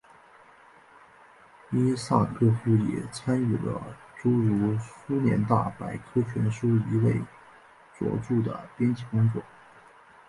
伊萨科夫也参与了诸如苏联大百科全书一类着作的编辑工作。